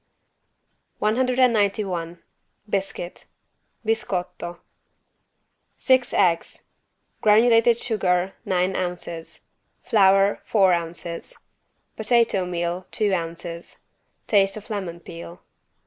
191 BISCUIT (Biscotto) Six eggs, Granulated sugar, nine ounces, Flour, four ounces, Potato meal, two ounces, Taste of lemon peel.